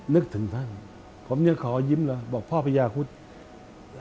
นึกถึงท่านผมยังขอยิ้มเหรอบอกพ่อพญาคุศ